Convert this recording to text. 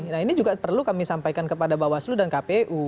nah ini juga perlu kami sampaikan kepada bawaslu dan kpu